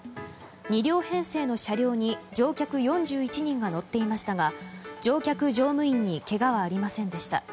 ２両編成の車両に乗客４１人が乗っていましたが乗客・乗務員にけがはありませんでした。